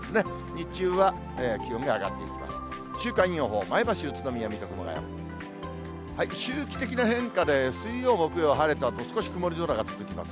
日中は気温が上がっていきます。